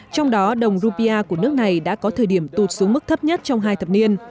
trong đó đồng rupia của nước này đã có thời điểm tụt xuống mức thấp nhất trong hai thập niên